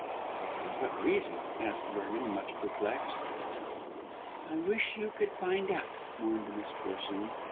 "But for what reason?" asked Vernon, much perplexed. "I wish you could find out," mourned Miss Corsoon.